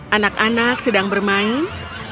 anak anak sedang bermain